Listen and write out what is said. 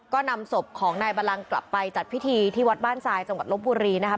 ก็นำศพของนายบัลลังกลับไปจัดพิธีที่วัดบ้านทรายจังหวัดลบบุรีนะครับ